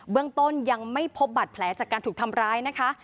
เรื่องต้นยังไม่พบบัตรแผลจากการถูกทำร้ายนะคะ